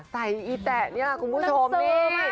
ใส่อีแตะนี่คุณผู้ชมนี่